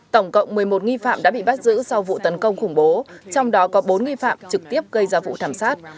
tổng cộng một mươi một nghi phạm đã bị bắt giữ sau vụ tấn công khủng bố trong đó có bốn nghi phạm trực tiếp gây ra vụ thảm sát